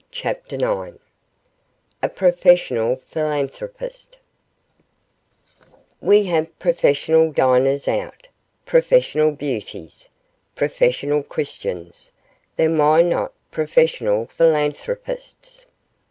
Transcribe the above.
CHAPTER IX A PROFESSIONAL PHILANTHROPIST We have professional diners out, professional beauties, professional Christians, then why not professional philanthropists?